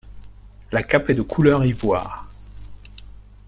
La cape est de couleur ivoire.